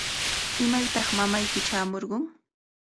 ¿Imaytaq mamayki chaamurqun?